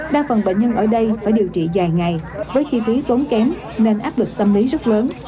đa phần bệnh nhân ở đây phải điều trị dài ngày với chi phí tốn kém nên áp lực tâm lý rất lớn